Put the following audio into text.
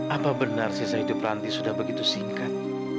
apa benar sisa hidup ranti sudah begitu singkat